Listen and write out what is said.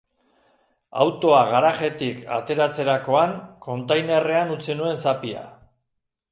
Autoa garajetik ateratzerakoan kontainerrean utzi nuen zapia.